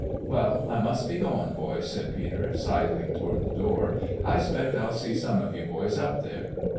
"Well, I must be goin', boys," said Peter, sidling toward the door; "and I 'spect I'll see some of you boys up there?"